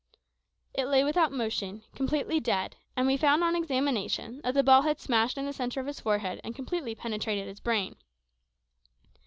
It lay without motion, completely dead, and we found, on examination, that the ball had smashed in the centre of its forehead and completely penetrated its brain.